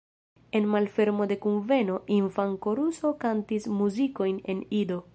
En malfermo de kunveno, infan-koruso kantis muzikojn en Ido.